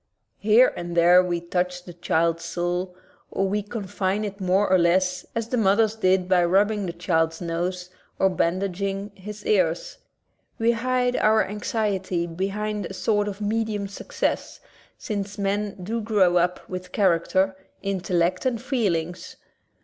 Here and there we touch the child's soul, or we confine it more or less as the mothers did by rubbing the child's nose or bandaging his ears. We hide our anxiety behind a sort of medium success, since men do grow up with character, intellect, and feelings.